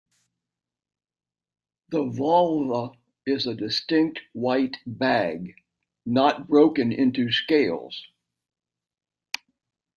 The volva is a distinct white bag, not broken into scales.